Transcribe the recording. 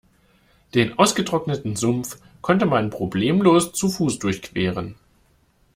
Den ausgetrockneten Sumpf konnte man problemlos zu Fuß durchqueren.